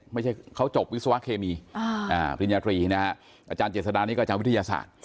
ไม่ใช่เขาจบวิศวะเคมีอาจารย์เจษฎานี้ก็อาจารย์วิทยาศาสตร์